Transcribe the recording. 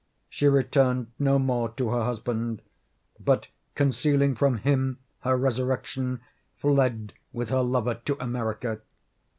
She returned no more to her husband, but, concealing from him her resurrection, fled with her lover to America.